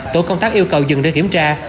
tổ công tác yêu cầu dừng để kiểm tra